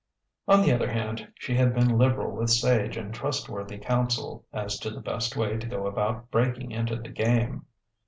On the other hand, she had been liberal with sage and trustworthy counsel as to the best way to go about "breaking into the game."